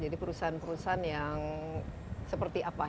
jadi perusahaan perusahaan yang seperti apa